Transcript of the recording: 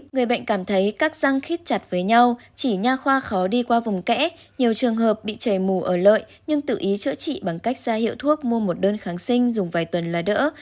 người bệnh cảm thấy các răng khít chặt với nhau chỉ nha khoa khó đi qua vùng kẽ nhiều trường hợp bị trẻ mù ở lợi nhưng tự ý chữa trị bằng cách ra hiệu thuốc mua một đơn kháng sinh dùng vài tuần là đỡ